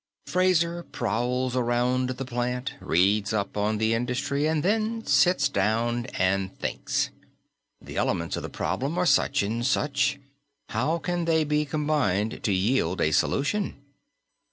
Fraser prowls around the plant, reads up on the industry, and then sits down and thinks. The elements of the problem are such and such; how can they be combined to yield a solution?